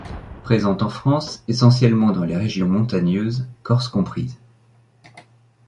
Présente en France, essentiellement dans les régions montagneuses, Corse comprise.